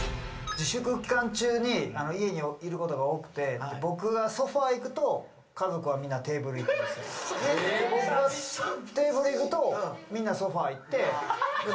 自粛期間中に家にいることが多くて僕がソファ行くと家族はみんなテーブル行くんですよで僕がテーブル行くとみんなソファ行って・え！